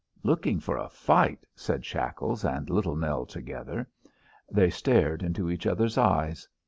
"Looking for a fight!" said Shackles and Little Nell together. They stared into each other's eyes.